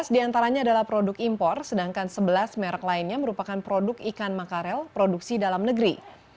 tiga belas diantaranya adalah produk impor sedangkan sebelas merek lainnya merupakan produk ikan makarel produksi dalam negeri